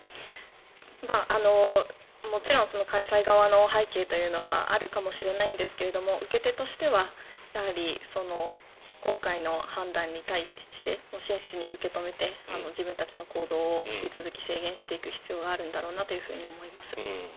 もちろん開催側の背景というのはあるかもしれないんですが受け手としてはやはり今回の判断に対して真摯に受け止めて自分たちの行動を引き続き制限していく必要があるんだろうなと思います。